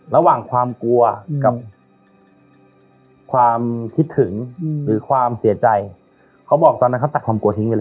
ระหว่างความกลัวกับความคิดถึงหรือความเสียใจเขาบอกตอนนั้นเขาตัดความกลัวทิ้งไปเลย